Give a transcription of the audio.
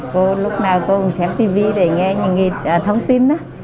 cô lúc nào cô cũng xem tivi để nghe những cái thông tin